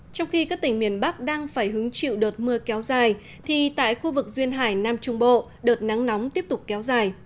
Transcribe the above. trong khi các tỉnh miền bắc đang phải hứng chịu đợt mưa kéo dài thì tại khu vực duyên hải nam trung bộ đợt nắng nóng tiếp tục kéo dài